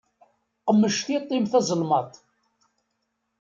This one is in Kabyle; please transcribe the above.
Qmec tiṭ-im tazelmaḍt.